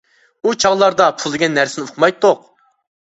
ئۇ چاغلاردا پۇل دېگەن نەرسىنى ئۇقمايتتۇق.